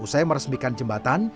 usai meresmikan jembatan